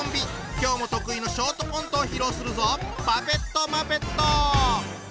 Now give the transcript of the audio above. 今日も得意のショートコントを披露するぞ！